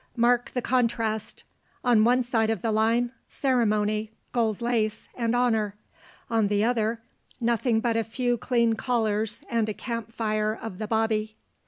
Mark the contrast. On one side of the line, ceremony, gold lace and honor. On the other, nothing but a few clean collars and a camp fire of the bobby."